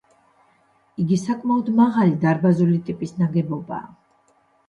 იგი საკმაოდ მაღალი დარბაზული ტიპის ნაგებობაა.